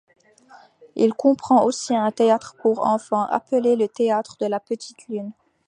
Il comprend aussi un théâtre pour enfants, appelé le théâtre de la Petite Lune.